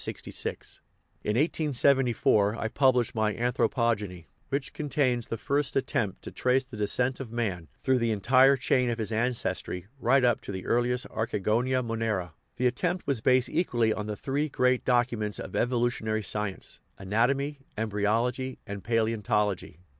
In 1874 I published my Anthropogeny, which contains the first attempt to trace the descent of man through the entire chain of his ancestry right up to the earliest archigonous monera ; the attempt was based equally on the three great "documents" of evolutionary sci ence anatomy, embryology, and palaeontology.